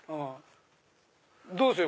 どうする？